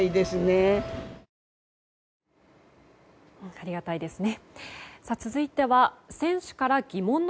ありがたいですね。